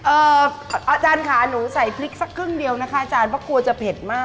อาจารย์ค่ะหนูใส่พริกสักครึ่งเดียวนะคะอาจารย์เพราะกลัวจะเผ็ดมาก